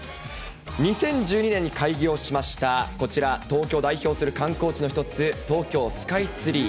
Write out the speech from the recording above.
２０１２年に開業しました、こちら、東京を代表する観光地の一つ、東京スカイツリー。